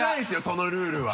そのルールは。